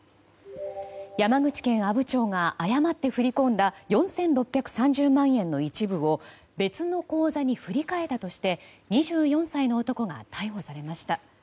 山口県阿武町が誤って振り込んだ４６３０万円の一部を別の口座に振り替えたとして２４歳の男が逮捕されました。